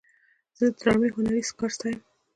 زه د ډرامې هنري کار ستایم.